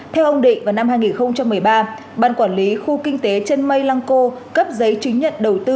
theo ông định vào năm hai nghìn một mươi ba ban quản lý khu kinh tế trân mây lăng cô cấp giấy chứng nhận đầu tư